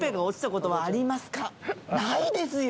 ないですよ。